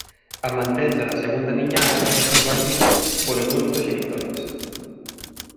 A mantenza da segunda niñada é compartida polos dous proxenitores.